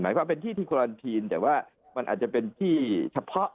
ความเป็นที่ที่โคลันทีนแต่ว่ามันอาจจะเป็นที่เฉพาะ